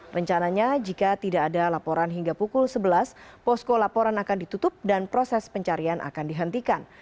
rencananya jika tidak ada laporan hingga pukul sebelas posko laporan akan ditutup dan proses pencarian akan dihentikan